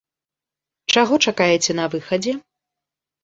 Чаго чакаеце на выхадзе?